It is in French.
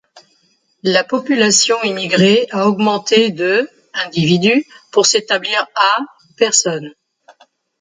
La population immigrée a augmenté de individus pour s'établir à personnes.